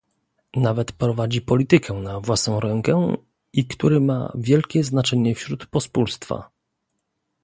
"nawet prowadzi politykę na własną rękę i który ma wielkie znaczenie wśród pospólstwa..."